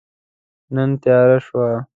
نن تیاره شوه